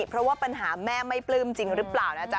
เพราะว่าปัญหาแม่ไม่ปลื้มจริงหรือเปล่านะจ๊